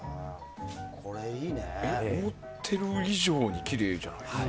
思っている以上にきれいじゃないですか。